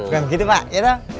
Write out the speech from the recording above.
bukan gitu pak iya dong